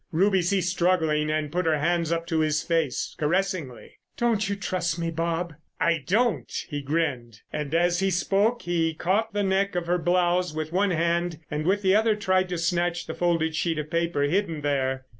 Ruby ceased struggling and put her hands up to his face caressingly. "Don't you trust me, Bob?" "I don't!" he grinned, and as he spoke he caught the neck of her blouse with one hand and with the other tried to snatch the folded sheet of paper hidden there.